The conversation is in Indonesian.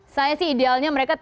saya sih idealnya mereka